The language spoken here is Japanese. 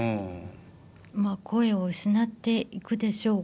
まあ声を失っていくでしょう